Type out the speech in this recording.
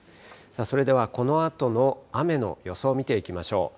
それではこのあとの雨の予想を見ていきましょう。